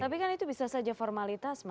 tapi kan itu bisa saja formalitas